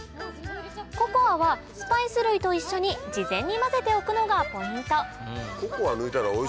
ココアはスパイス類と一緒に事前に混ぜておくのがポイント